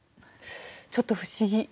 ちょっと不思議。